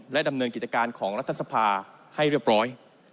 ดำเนินกิจการของรัฐสภาให้เรียบร้อย